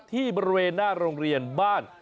ที่บริเวณหน้าโรงเรียนบ้าน